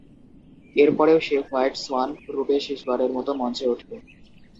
এরপরেও সে "white swan" রূপে শেষবারের মতো মঞ্চে উঠে।